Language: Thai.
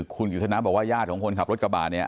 คุณกิจสนาบอกว่าญาติของคนขับรถกระบาดเนี่ย